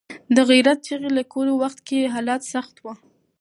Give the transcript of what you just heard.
د غیرت چغې لیکلو وخت کې حالات سخت وو.